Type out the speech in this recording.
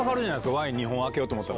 ワイン２本空けようと思ったら。